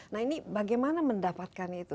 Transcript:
nah ini bagaimana mendapatkannya itu